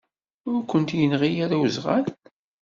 Ur kent-yenɣi ara uẓɣal?